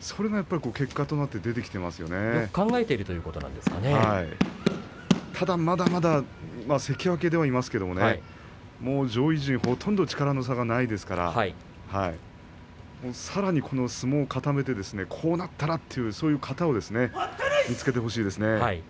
それが結果となって考えているまだまだ関脇ではありますけれど上位陣は、ほとんど力の差がありませんからさらに、相撲を固めてこうなったらという型をですね見つけてほしいですね。